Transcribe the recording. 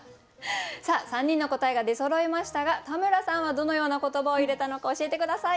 ３人の答えが出そろいましたが田村さんはどのような言葉を入れたのか教えて下さい。